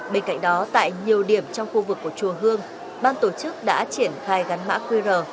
bên cạnh đó tại nhiều điểm trong khu vực của chùa hương ban tổ chức đã triển khai gắn mã qr